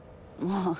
まあ。